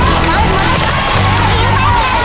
เย็นมากลุ่ม